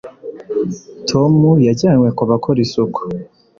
tom yajyanywe ku bakora isuku